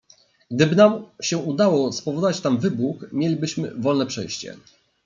"Gdyby nam się udało spowodować tam wybuch, mielibyśmy wolne przejście."